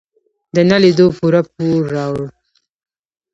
د نه لیدو پوره پور راوړ.